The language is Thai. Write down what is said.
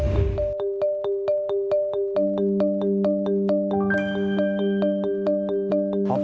วัดไล่แตงทองจังหวัดนครปฐม